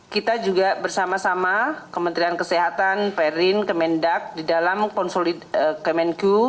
kita juga bersama sama kementerian kesehatan perin kemendak di dalam konsolid kemenku